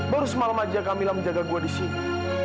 baru semalam aja camilla menjaga gue di sini